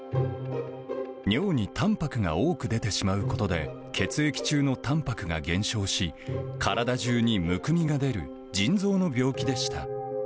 尿にたんぱくが多く出てしまうことで、血液中のたんぱくが減少し、体中にむくみが出る腎臓の病気でした。